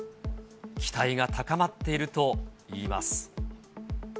期待が高まっているといいます。